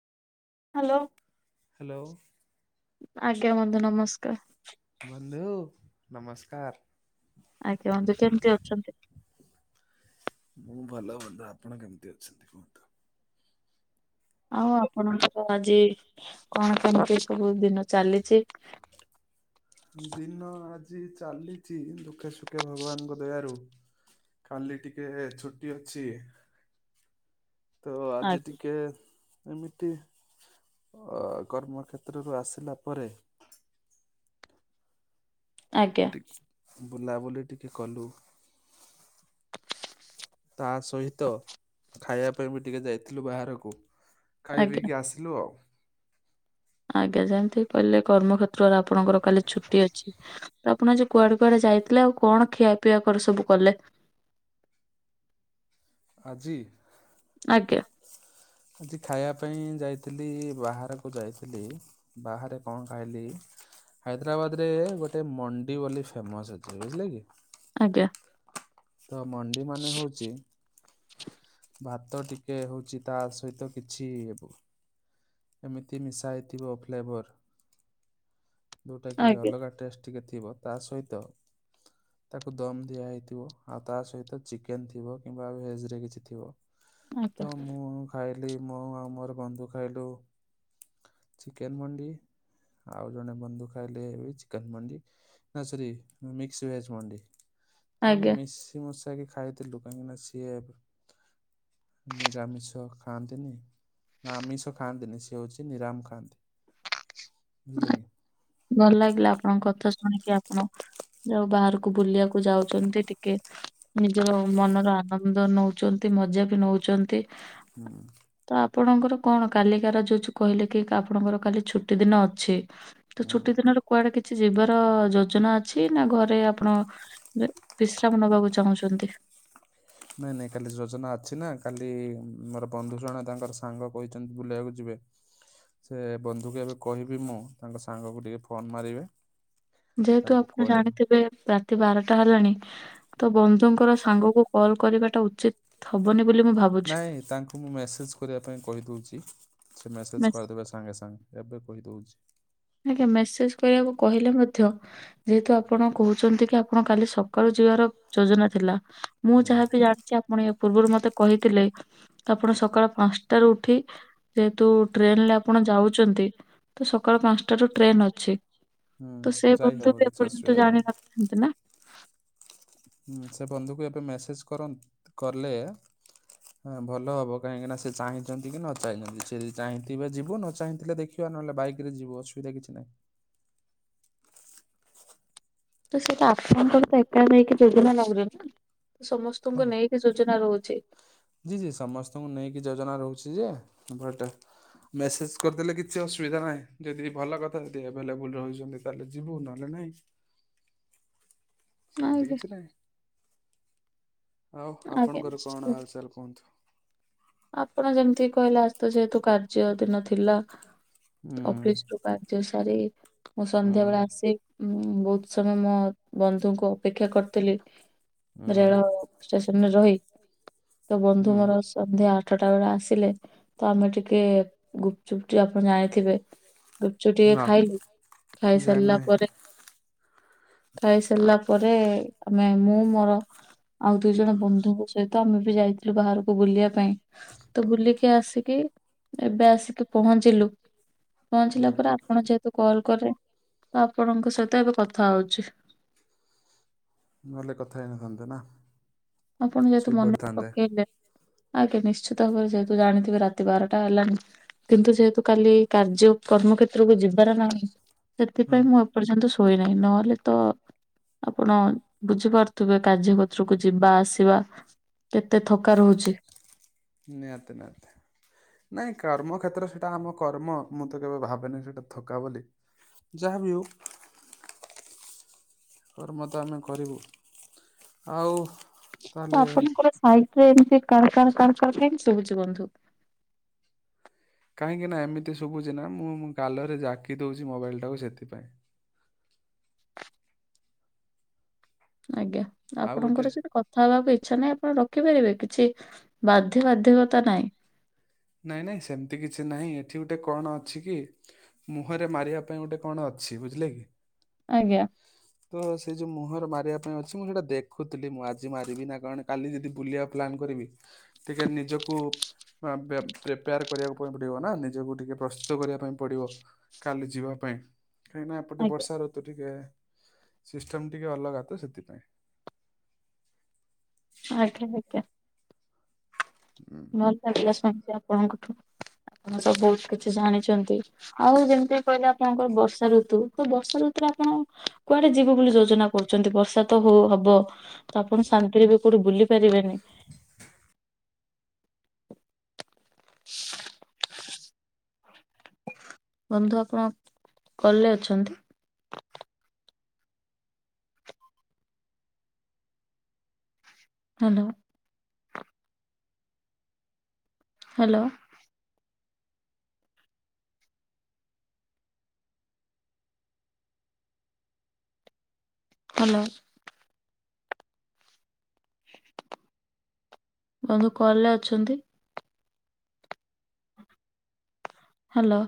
Hello hello. ଆଜ୍ଞା ବନ୍ଧୁ ନମସ୍କ୍ ବନ୍ଧୁ ନମସ୍କାର୍। ଆଜ୍ଞା ବନ୍ଧୁ କେମତି ଅଛନ୍ତି? ମୁଁ ଭଲ ବନ୍ଧୁ -ଆପଣ କେମିତି ଅଛନ୍ତି କୁହନ୍ତୁ? ଆଉ ଆପଣଙ୍କର ଆଜି କଣ କେମତି ସବୁ ଦିନ ଚାଲିଚି? ଦିନ ଆଜି ଚାଲିଚି ଦୁଃଖେ ସୁଖେ ଭଗବାନ୍ ଙ୍କ ଦୟାରୁ। କାଲି ଟିକେ ଛୁଟି ଅଛି। ତ ଆ ଆଜି ଟିକେ ଏମିତି ଅ- କର୍ମକ୍ଷେତ୍ରରୁ ଆସିଲା ପରେ ଆଜ୍ଞା। ବୁଲାବୁଲି ଟିକେ କଲୁ ତା ସହିତ ଖାଇବା ପାଇଁ ବି ଟିକେ ଯାଇଥିଲୁ ବାହାରକୁ ଖାଇ ଆଜ୍ଞା ପିଇକି ଆସ୍ ଲୁ ଆଉ। ଆଜ୍ଞା ଯେମିତି କହିଲେ କର୍ମକ୍ଷେତ୍ରରେ ଆପଣଙ୍କର କାଲି ଛୁଟି ଅଛି ତ ଆପଣ ଆଜି କୁଆଡେ କୁଆଡେ ଯାଇଥିଲେ ଆଉ କଣ ଖିଆପିଆ କରି ସବୁ କଲେ? ଆଜି? ଆଜ୍ଞା। ଆଜି ଖାଇବା ପାଇଁ ଯାଇଥିଲି ବାହାରକୁ ଯାଇଥିଲି ବାହାରେ କଣ ଖାଇଲି ହାଇଦ୍ରାବାଦ୍ ରେ ଗୋଟେ ମଣ୍ଡି ବୋଲି ଫେମସ୍ ଅଛି ବୁଝିଲେ କି ଆଜ୍ଞା। ତ ମଣ୍ଡି ମାନେ ହଉଚି ଭାତ ଟିକେ ହଉଚି ତା ସହିତ କିଛି ଏବ ଏମିତି ମିଶା ହେଇଥିବ ଫ୍ଲେଭର୍ ଯଉଟା ଆଜ୍ଞା କି ଅଲଗା ଟେଷ୍ଟ୍ ଟିକେ ଥିବ ତା ସହିତ ତାକୁ ଦମ୍ ଦିଆ ହେଇଥିବ ଆଉ ତା ସହିତ ଚିକେନ୍ ଥିବ କିମ୍ବା ଭେଜ୍ ରେ କିଛି ଥିବ ଆଜ୍ଞା ତ ମୁଁ ଖାଇଲି ମୁଁ ଆଉ ମୋର ବନ୍ଧୁ ଖାଇଲୁ ଚିକେନ୍ ମଣ୍ଡି ଆଉ ଜଣେ ବନ୍ଧୁ ଖାଇଲେ ବି ଚିକେନ୍ ମଣ୍ଡି। ନା ସରି ମିକ୍ସ୍ ଭେଜ୍ ମଣ୍ଡି। ତ ଆମେ ଆଜ୍ଞା ମିଶି ମୁଶାକି ଖାଇଥିଲୁ କାହିଁକି ନା ସିଏ ନିରାମିଷ ଖାଆନ୍ତିନି ନା ଆମିଷ ଖାଆନ୍ତିନି ସିଏ ହଉଚି ନିରାମ୍ ଖାଆନ୍ତି ବୁଝିଲେ କି। ଭଲ ଲାଗିଲା ଆପଣଙ୍କ କଥା ଶୁଣିକି ଆପଣ ଯଉ ବାହାରକୁ ବୁଲିବାକୁ ଯାଉଛନ୍ତି ଟିକେ ନିଜର ମନର ଆନନ୍ଦ ନଉଛନ୍ତି ମଜା ବି ନଉଛନ୍ତି। ହୁଁ। ତ ଆପଣଙ୍କର କଣ କାଲିକାର ଯୋଉ କହିଲେ କି ଆପଣଙ୍କର ଖାଲି ଛୁଟି ଦିନ ଅଛି। ତ ଛୁଟି ଦିନରେ କୁଆଡେ କିଛି ଯିବାର ଯୋଜନା ଅଛି ନା ଘରେ ଆପଣ ବିଶ୍ରାମ ନେବାକୁ ଚାହୁଁଛନ୍ତି। [inaudible] ନାଇଁ ନାଇଁ କାଲି ଯୋଜନା ଅଛି ନା କାଲି ମୋର ବନ୍ଧୁ ଜଣ ତାଙ୍କର ସାଙ୍ଗ କହିଛନ୍ତି ବୁଲିବାକୁ ଯିବେ। ସେ ବନ୍ଧୁକୁ ଏବେ କହିବି ମୁଁ ତାଙ୍କ ସାଙ୍ଗକୁ ଟିକେ ଫୋନ୍ ମାରିବେ ଯେହେତୁ ତାଙ୍କୁ ଆପଣ କହିବେ ଜାଣିଥିବେ ରାତି ବାରଟା ହେଲାଣି ତ ବନ୍ଧୁ ଙ୍କର ସାଙ୍ଗକୁ କଲ୍ କରିବାଟା ଉଚିତ୍ ହବନି ବୋଲି ମୁ ନାଇଁ ତାଙ୍କୁ ମୁଁ ମେସେଜ୍ କରିବା ପାଇଁ କହି ଦଉଚି ସେମେସେଜ୍ ମେସ୍- କରିଦେବେ ସାଙ୍ଗେ ସାଙ୍ଗେ ଏବେ କହିଦଉଚି। ଆଜ୍ଞା ମେସେଞ୍ଜ କରିବାକୁ କହିଲେ ମଧ୍ୟ ଯେହେତୁ ଆପଣ କହୁଛନ୍ତିକି ଆପଣ କାଲି ସକାଳୁ ଯିବାର ଯୋଜନା ଥିଲା ମୁଁ ହୁଁ। ଯାହାବି ଜାଣିଚି ଆପଣ ଆ ପୂର୍ବରୁ ମତେ କହିଥିଲେ ଆପଣ ସକାଳ ପାଞ୍ଚଟାରୁ ଉଠି ଯେହେତୁ ଟ୍ରେନରେ ଆପଣ ଯାଉଚନ୍ତି ତସକାଳ ପାଞ୍ଚଟା ରୁ ଟ୍ରେନ୍ ଅଛି ହୁଁ ତସେ ଯାଇ ହବ ବନ୍ଧୁବି କିଛି ଏପର୍ଯ୍ୟନ୍ତ ଅସୁବିଧା ନାହିଁ। ଜାଣିନଥାନ୍ତିନା? ସେ ବନ୍ଧୁକୁ ଏବେ ମେସେଞ୍ଜ କର କଲେ ହଁ ଭଲ ହବ କାହିଁକିନା ସେ ଚାହିଁଚନ୍ତିକି ନଚାହିଁଚନ୍ତି ସେଯେଦି ଚାହିଁଥିବେ ଯିବୁ ନଚାହିଁଥିଲେ ଦେଖି ଥି ନହେଲେ ବାଇକରେ ଯିବ ଅସୁବିଧା କିଛି ନାହିଁ। ତୁ ସେଇଟା ଆପଣଙ୍କର ଦାଇ କା ନେଇକି ଯୋଜନା ନୋଉଚନ୍ତିନା ହଁ। ସମସ୍ତଙ୍କୁ ନେଇକି ଯୋଜନା ରହୁଚି। ଜି ଜି ସମସ୍ତଙ୍କୁ ନେଇକି ଯୋଜନା ରହୁଚିଯେ ବଟ୍ ମେସେଜ୍ କରିଦେଲେ କିଛି ଅସୁବିଧା ନାହିଁ ଯଦି ଭଲ କଥା ଯଦି ଏଭେଲେବୁଲ ରହୁଚନ୍ତି। ତାହେଲେ ଯିବୁ ନହେଲେ ନାହିଁ। ସେମିତି ଆଜ୍ଞା। କିଛି ନାହିଁ ଆଉ ଆଜ୍ଞା ଆପଣଙ୍କର କଣ ନିଶ୍ଚିତ। ହାଲଚାଲ କୁହନ୍ତୁ? ଆପଣ ଯେମିତି କହିଲେ ଆଜିତ ଯେହେତୁ କାର୍ଯ୍ୟ ଦିନ ଥିଲା ହୁଁ ଅଫିସ୍ ରୁ କାର୍ଯ୍ୟ ସାରି ମୁଁ ହୁଁ ସନ୍ଧ୍ୟା ବେଳେ ଆସି ବହୁତ୍ ସମୟ ମୋ ବନ୍ଧୁଙ୍କୁ ଅପେକ୍ଷା କରିଥିଲି। ହୁଁ ରେଳ ଷ୍ଟେସନରେ ରହି ତବନ୍ଧୁ ମୋର ହୁଁ ସନ୍ଧ୍ୟା ଆଠ ଆଠଟା ବେଳେ ଆସିଲେ ତଆମେ ଟିକେ ଗୁପଚୁପ୍ ଟିକେ ଆପଣ ଆଣିଥିବେ ଗୁପଚୁପ୍ ଟିକେ ନା ଖାଇଲୁ ଖାଇସାରିଲା ଜାଣିନାହିଁ ପରେ [inaudible] ଖାଇ ସାରିଲା ପରେ ଆମେ ମୁଁ ମୋର ଆଉ ଦୁଇ ଜଣ ବନ୍ଧୁଙ୍କ ସହିତ ଆମେବି ଯାଇଥିଲୁ ବାହାରକୁ ବୁଲିବା ପାଇଁ। ତ ବୁଲିକି ଆସିକି ଏବେ ଆସିକି ପହଞ୍ଚିଲୁ ପହଞ୍ଚିଲା ହୁଁ ପରେ ଆପଣ ଯେତ ତୁ କଲ୍ କରେ ତଆପଣଙ୍କ ସହିତ ଏବେ କଥା ହଉଛି। ନହେଲେ କଥା ହେଇନଥାନ୍ତେ ନା। ଆପଣ ଯେହେତୁ ଶୋଇ ମନେ ପଡ଼ିଥାନ୍ତେ ପକେଇଲେ ଆଜ୍ଞା ନିଶ୍ଚିତ ଭାବରେ ଯେହେତୁ ଜାଣିଥିବେ ରାତି ବାରଟା ହେଲାଣି କିନ୍ତୁ ଯେହେତୁ କାଲି କାର୍ଯ୍ୟ କର୍ମ କ୍ଷେତ୍ରକୁ ଯିବାର ନାହିଁ ହୁଁ ସେଥିପାଇଁ ମୁଁ ଆ ଏ ପର୍ଯ୍ୟନ୍ତ ଶୋଇନାହିଁ ନହେଲେତ ଆପଣ ବୁଝିପାରୁ ଥୁବେ କାର୍ଯ୍ୟ କତ୍ରୁକୁ ଯିବା ଆସିବା କେତେ ଥକା ରହୁଚି। ନିହାତି ନିହାତି। ନାଇଁ କର୍ମ କ୍ଷେତ୍ର ସେଟା ଆମ କର୍ମ ମୁଁ ତ କେବେ ଭାବେନି ସେଟା ଥକା ବୋଲି। ଯାହା ବି ହଉ କର୍ମ ତ ଆମେ କରିବୁ, ଆଉ ତ ତାହେଲେ ଆପଣଙ୍କର ସାଇଟରେ ଏମତି କଣ୍ କଣ୍ କଣ୍ କଣ୍ କାଇଁକି ଶୁଭୁଛି ବନ୍ଧୁ? କାହିଁକି ନା ଏମିତି ଶୁଭୁଛି ନା ମୁଁ ଗାଲରେ ଜାକି ଦଉଚି ମୋବାଇଲ୍ ଟାକୁ ସେଥିପାଇଁ। ଆଜ୍ଞା ଆଉ ଗୋଟେ ଆପଣଙ୍କର ସହିତ କ ଥା ହବାକୁ ଇଚ୍ଛା ନାହିଁ ଆପଣ ରଖିପାରିବେ କିଛି ବାଧ୍ୟ ବାଧ୍ୟକତା ନାହିଁ। ନାଇଁ ନାଇଁ ସେମିତି କିଛି ନାହିଁ ଏଠି ଗୋଟେ କଣ ଅଛି କି? ମୁହଁରେ ମାରିବା ପାଇଁ ଗୋଟେ କଣ ଅଛି ବୁଝିଲେ କି। ଆଜ୍ଞା। ହଁ ତ ସେ ଯୋଉ ମୁହଁରେ ମାରିବା ପାଇଁ ଅଛି ମୁଁ ସେଇଟା ଦେଖୁଥିଲି ମୁଁ ଆଜି ମାରିବି ନା କଣ କାଲି, ଯଦି ବୁଲିବା ପ୍ଲାନ୍ କରିବି। ଟିକେ ନିଜକୁ ଆ, ବେ ପ୍ରିପେୟାର୍ କରିବାକୁ ପାଇଁ ପଡିବ ନା, ନିଜକୁ ଟିକେ ପ୍ରସ୍ତୁତ କରିବା ପାଇଁ ପଡିବ କାଲି ଯିବା ପାଇଁ। କାହିଁକି ନା ଏପଟେ ଆଜ୍ଞା ବର୍ଷା ଋତୁ ଟିକେ ସିଷ୍ଟମ ଟିକେ ଅଲଗା ତ ସେଥିପାଇଁ। ଆଜ୍ଞା [unintelligible] ହୁଁ। ମୋର [unintelligible] ଆପଣଙ୍କଠୁ ଆପଣ ତ ବହୁତ କିଛି ଜାଣିଚନ୍ତି। ଆଉ ଯେମିତି କହିଲେ ଆପଣଙ୍କର ବର୍ଷା ଋତୁ, ତ ବର୍ଷା ଋତୁରେ ଆପଣ କୁଆଡେ ଯିବେ ବୋଲି ଯୋଜନା କରୁଚନ୍ତି ବର୍ଷା ତ ହଉ ହବ ତ ଆପଣ ଶାନ୍ତିରେ ବି କୋଉଠି ବୁଲି ପାରିବେନି। [inaudible] ବନ୍ଧୁ ଆପଣ କଲ୍ ଲେ ଅଛନ୍ତି? ହ୍ୟାଲୋ। ହ୍ୟାଲୋ। ହ୍ୟାଲୋ। ବନ୍ଧୁ କଲ୍ ରେ ଅଛନ୍ତି? ହ୍ୟାଲୋ।